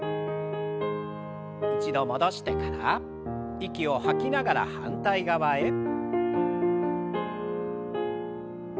一度戻してから息を吐きながら反対側へ。